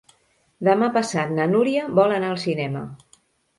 Demà passat na Núria vol anar al cinema.